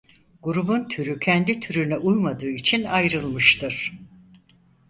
Grubun türü kendi türüne uymadığı için ayrılmıştır.